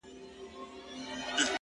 زړه په پیوند دی _